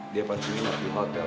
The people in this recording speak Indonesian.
dia pasti menuju hotel